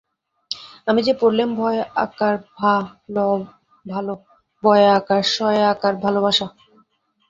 আমি যে পড়লেম ভয়ে আকার ভা, ল, ভাল, বয়ে আকার সয়ে আকার ভালোবাসা।